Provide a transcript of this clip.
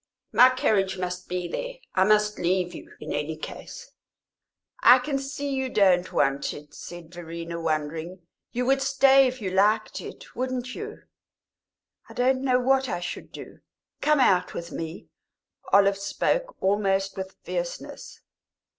"My carriage must be there I must leave you, in any case." "I can see you don't want it," said Verena, wondering. "You would stay if you liked it, wouldn't you?" "I don't know what I should do. Come out with me!" Olive spoke almost with fierceness.